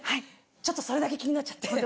ちょっとそれだけ気になっちゃって。